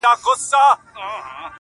o د يوه سپاره به څه دوړه وي.